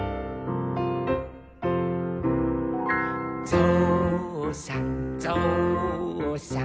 「ぞうさんぞうさん」